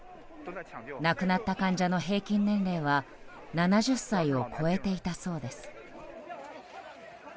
亡くなった患者の平均年齢は７０歳を超えていたそうです。